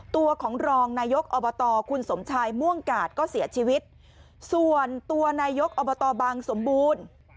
ตัวของรองนายกอบตคุณสมชายม่วงกาดก็เสียชีวิตส่วนตัวนายกอบตบางสมบูรณ์